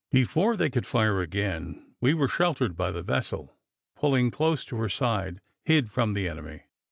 Before they could fire again, we were sheltered by the vessel, pulling close to her side, hid from the enemy.